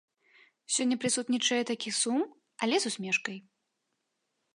Сёння прысутнічае такі сум, але з усмешкай.